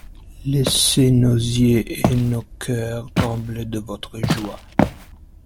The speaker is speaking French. Laissez nos yeux et nos cœurs trembler de votre joie.